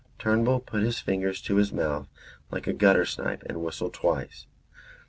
Turnbull put his fingers to his mouth like a gutter snipe and whistled twice.